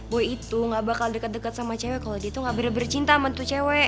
boy itu ga bakal deket deket sama cewe kalo dia tuh ga bener bener cinta sama tuh cewe